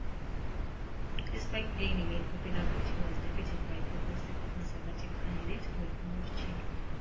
Despite gaining in popular vote he was defeated by Progressive Conservative candidate Greg Melchin.